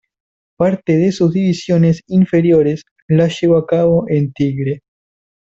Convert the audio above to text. Parte de sus divisiones inferiores las llevó a cabo en Tigre.